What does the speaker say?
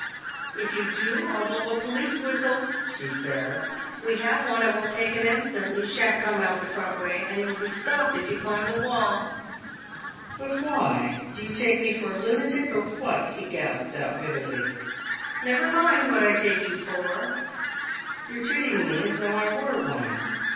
"If you do I'll blow a police whistle!" she said. "We have one—it won't take an instant. You shan't come out the front way, and you'll be stopped if you climb the wall!" "But why? Do you take me for a lunatic, or what?" he gasped out bitterly. "Never mind what I take you for!" "You're treating me as though I were one!"